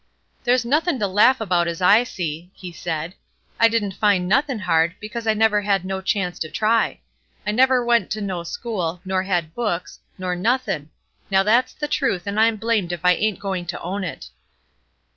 "There's nothin' to laugh about as I see," he said. "I didn't find nothin' hard, because I never had no chance to try. I never went to no school, nor had books, nor nothin'; now that's the truth, and I'm blamed if I ain't going to own it."